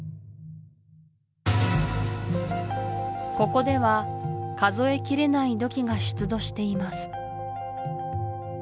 ここでは数えきれない土器が出土しています